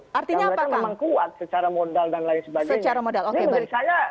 mereka memang kuat secara modal dan lain sebagainya